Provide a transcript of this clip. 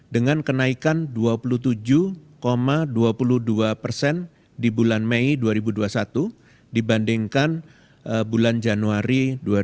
dengan kenaikan dua puluh tujuh dua puluh dua persen di bulan mei dua ribu dua puluh satu dibandingkan bulan januari dua ribu dua puluh